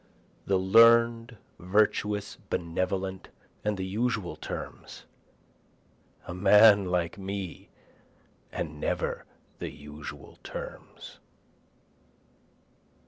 The learn'd, virtuous, benevolent, and the usual terms, A man like me and never the usual terms.